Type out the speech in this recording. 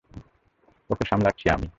ওকে সামলাচ্ছি আমি।